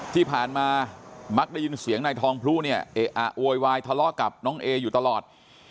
ที่ผ่านมามักได้ยินเสียงนายทองพลุเนี่ยเอะอะโวยวายทะเลาะกับน้องเออยู่ตลอด